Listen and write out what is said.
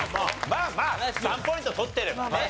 まあまあ３ポイント取ってればね。